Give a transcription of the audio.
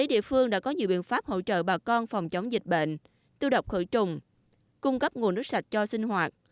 địa phương đã có nhiều biện pháp hỗ trợ bà con phòng chống dịch bệnh tiêu độc khử trùng cung cấp nguồn nước sạch cho sinh hoạt